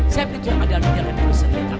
saya berikir ada yang berjalan terus